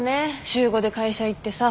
週５で会社行ってさ。